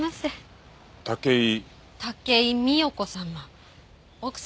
武井美代子様。